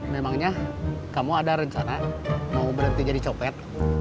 memangnya kamu ada rencana mau berhenti jadi copet